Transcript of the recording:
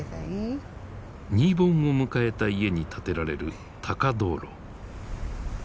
新盆を迎えた家に立てられる高灯籠。